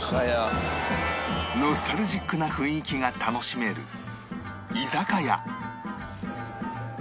ノスタルジックな雰囲気が楽しめる居酒屋